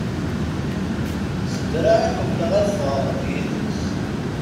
S draɛ i qebleɣ ad ffɣeɣ d yid-s.